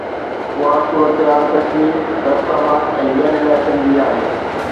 اها صورتحال ڪشمير، فيصل آباد ۽ ٻين علائقن جي آهي